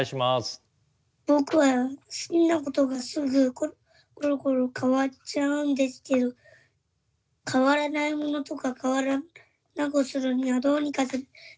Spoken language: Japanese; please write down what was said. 僕は好きなことがすぐコロコロ変わっちゃうんですけど変わらないものとか変わらなくするにはどうすればいいですか？